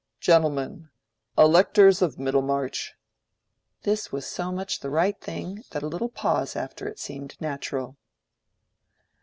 "Gentlemen—Electors of Middlemarch!" This was so much the right thing that a little pause after it seemed natural.